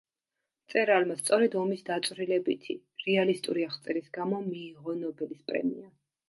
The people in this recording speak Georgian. მწერალმა სწორედ ომის დაწვრილებითი, რეალისტური აღწერის გამო მიიღო ნობელის პრემია.